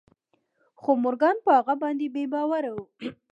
خو مورګان په هغه باندې بې باوره و